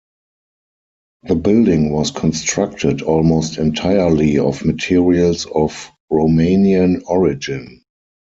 The building was constructed almost entirely of materials of Romanian origin.